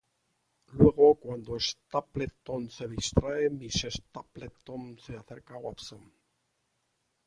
Luego, cuando Stapleton se distrae, Miss Stapleton se acerca a Watson.